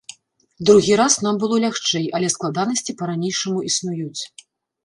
Другі раз нам было лягчэй, але складанасці па-ранейшаму існуюць.